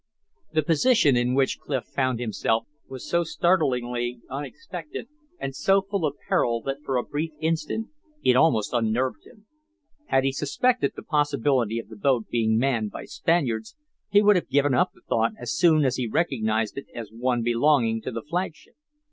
The position in which Clif found himself was so startlingly unexpected and so full of peril that for a brief instant it almost unnerved him. Had he suspected the possibility of the boat being manned by Spaniards, he would have given up the thought as soon as he recognized it as one belonging to the flagship.